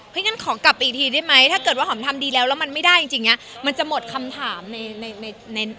งั้นขอกลับไปอีกทีได้ไหมถ้าเกิดว่าหอมทำดีแล้วแล้วมันไม่ได้จริงมันจะหมดคำถามในใน